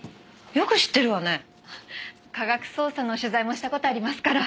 科学捜査の取材もした事ありますから。